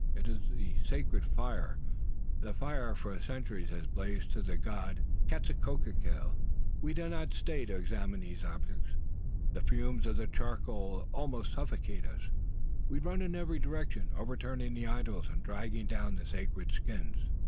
It is the sacred fire the fire that for centuries has blazed to the god Quetzalcoatl! We do not stay to examine these objects. The fumes of the charcoal almost suffocate us. We run in every direction, overturning the idols and dragging down the sacred skins.